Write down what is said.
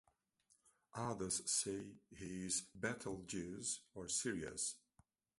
Others say he is Betelgeuse, or Sirius.